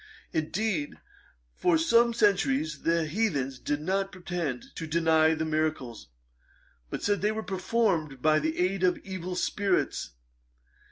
Indeed, for some centuries the heathens did not pretend to deny the miracles; but said they were performed by the aid of evil spirits.